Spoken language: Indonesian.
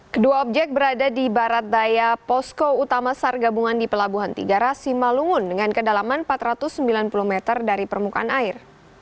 kedua objek berada di barat daya posko utama sar gabungan di pelabuhan tiga ras simalungun dengan kedalaman empat ratus sembilan puluh meter dari permukaan air